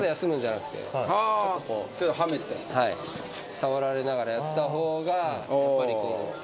触られながらやった方がやっぱりこう元気になるかな。